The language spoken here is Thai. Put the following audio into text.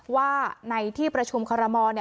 ว่าที่ประชุมครมม